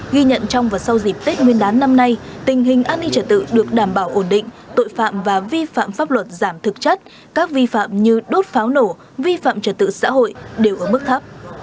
ghi nhận trong và sau dịp tết nguyên đán năm nay tình hình an ninh trật tự được đảm bảo ổn định tội phạm và vi phạm pháp luật giảm thực chất các vi phạm như đốt pháo nổ vi phạm trật tự xã hội đều ở mức thấp